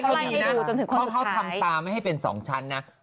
เขาทำตาไม่ให้เป็นสองชั้นนะ